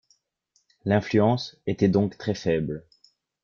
L'influence d' était donc très faible.